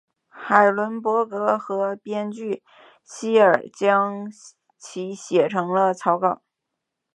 海伦伯格和编剧希尔将其写成了草稿。